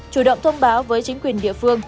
chủ động thông báo với chính quyền địa phương